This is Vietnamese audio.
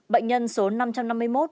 bệnh nhân số năm trăm năm mươi một